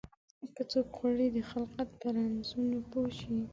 که څوک غواړي د خلقت په رمزونو پوه شي.